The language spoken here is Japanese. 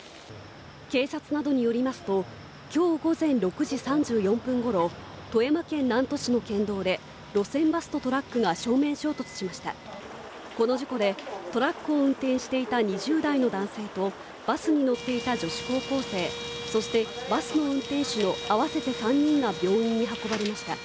警察などによりますときょう午前６時３４分ごろ富山県南砺市の県道で路線バスとトラックが正面衝突しましたこの事故でトラックを運転していた２０代の男性とバスに乗っていた女子高校生そしてバスの運転手の合わせて３人が病院に運ばれました